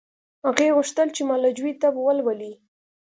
هغې غوښتل چې معالجوي طب ولولي